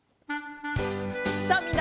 さあみんな！